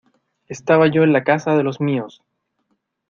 Estaba yo en la casa de los míos.